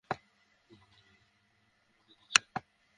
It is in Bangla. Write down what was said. মা একটা ডিনার পার্টি দিচ্ছেন।